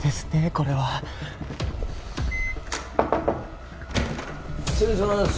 これは失礼します